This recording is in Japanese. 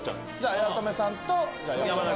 八乙女さん山田さん